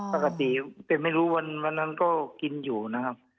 ปกติแต่ไม่รู้วันนั้นก็กินอยู่นะครับ